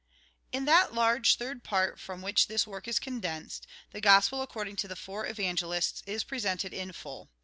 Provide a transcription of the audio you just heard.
AUTHOR'S PREFACE 5 In that large third part from which this work is condensed, the Gospel according to the four Evangelists is presented in full.